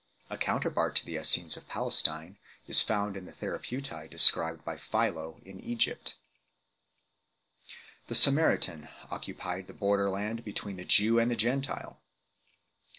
A counterpart to the Essenes of Palestine is found in the Therapeutae described by Philo 3 in Egypt. "The Samaritan occupied the border land between the Jew and the Gentile.